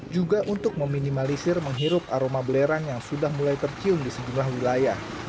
juga untuk meminimalisir menghirup aroma belerang yang sudah mulai tercium di sejumlah wilayah